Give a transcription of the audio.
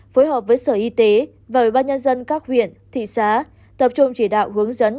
phối hợp với sở y tế và ủy ban nhân dân các huyện thị xã tập trung chỉ đạo hướng dẫn